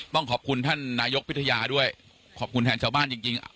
ต้องขอบคุณท่านนายกพิทยาด้วยขอบคุณแทนชาวบ้านจริง